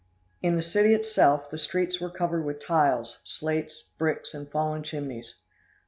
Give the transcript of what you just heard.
In the city itself, the streets were covered with tiles, slates, bricks, and fallen chimneys.